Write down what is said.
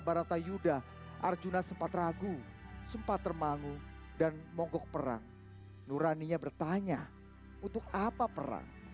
baratayuda arjuna sempat ragu sempat termangu dan mogok perang nurani nya bertanya untuk apa perang